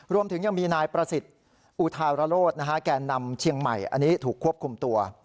รวมถึงยังมีนายประสิทธิ์อุทารโรธแก่นำเชียงใหม่อันนี้ถูกควบคุมตัว